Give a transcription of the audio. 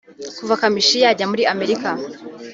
Kuva Kamichi yajya muri Amerika